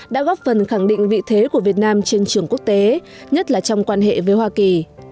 đã góp phần khẳng định vị thế của việt nam trên trường quốc tế nhất là trong quan hệ với hoa kỳ